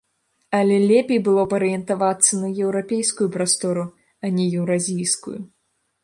Але лепей было б арыентавацца на еўрапейскую прастору, а не на еўразійскую.